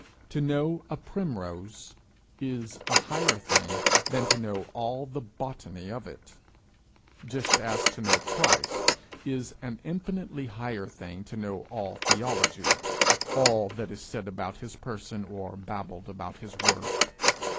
To know a primrose is a higher thing than to know all the botany of it just as to know Christ is an infinitely higher thing than to know all theology, all that is said about his person, or babbled about his work.